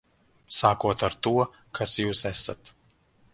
Sākot ar to, kas jūs esat.